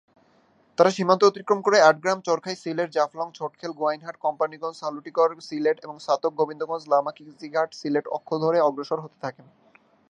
তারা সীমান্ত অতিক্রম করে আটগ্রাম-চরখাই-সিলেট, জাফলং-ছোটখেল-গোয়াইনঘাট-কোম্পানিগঞ্জ-সালুটিকর-সিলেট এবং ছাতক-গোবিন্দগঞ্জ-লামাকাজিঘাট-সিলেট অক্ষ ধরে অগ্রসর হতে থাকেন।